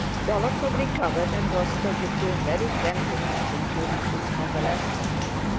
Dólokhov recovered, and Rostóv became very friendly with him during his convalescence.